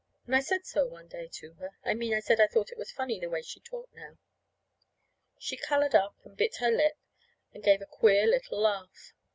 And I said so one day to her I mean, I said I thought it was funny, the way she talked now. She colored up and bit her lip, and gave a queer little laugh.